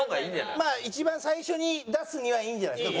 まあ一番最初に出すにはいいんじゃないですか？